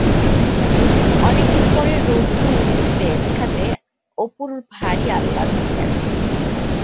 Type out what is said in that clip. অনেকদিন পরে রৌদ্র ওঠাতে অপুর ভরি আহ্রদ হইয়াছে।